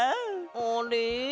あれ？